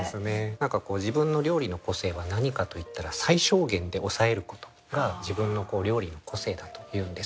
何か自分の料理の個性は何かといったら最小限で抑えることが自分の料理の個性だというんです。